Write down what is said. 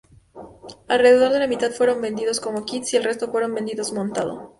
Alrededor de la mitad fueron vendidos como kits y el resto fueron vendidos montado.